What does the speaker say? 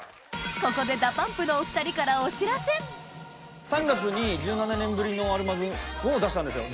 ここでＤＡＰＵＭＰのお２人からお知らせ３月に１７年ぶりのアルバムを出したんですよ。